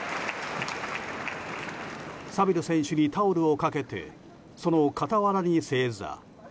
サビル選手にタオルをかけてその傍らに正座。